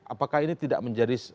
apakah ini tidak menjadi